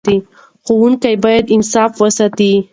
ښوونکي باید انصاف وساتي.